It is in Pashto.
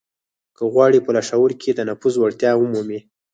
که غواړئ په لاشعور کې د نفوذ وړتيا ومومئ.